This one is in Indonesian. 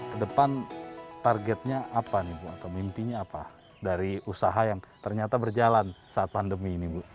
kedepan targetnya apa mimpinya apa dari usaha yang ternyata berjalan saat pandemi ini